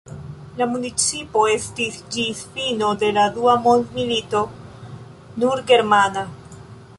La municipo estis ĝis fino de la dua mondmilito nur germana.